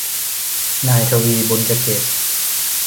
นายทวี บุณยเกตุ